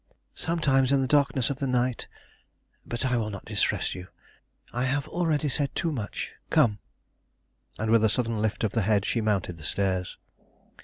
Sometimes, in the darkness of the night But I will not distress you. I have already said too much; come," and with a sudden lift of the head she mounted the stairs.